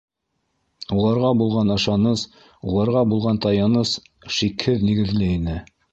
Уларға булған ышаныс, уларға булған таяныс шикһеҙ нигеҙле ине.